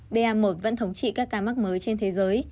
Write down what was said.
ba một vẫn thống trị các ca mắc mới trên thế giới